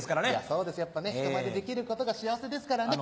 そうですやっぱね人前でできることが幸せですからね。